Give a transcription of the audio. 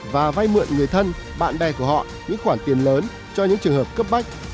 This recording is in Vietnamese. và vay mượn người thân bạn bè của họ những khoản tiền lớn cho những trường hợp cấp bách